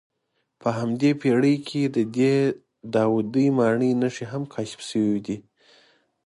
په همدې پېړۍ کې د دې داودي ماڼۍ نښې هم کشف شوې دي.